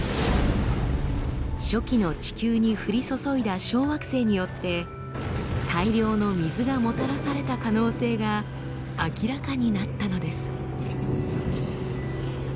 初期の地球に降り注いだ小惑星によって大量の水がもたらされた可能性が明らかになったのです。